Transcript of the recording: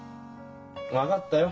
分かったよ。